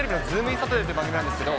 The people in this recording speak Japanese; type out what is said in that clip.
サタデーという番組なんですけど。